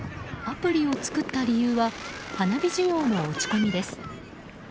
アプリを作った理由は花火需要の落ち込みです。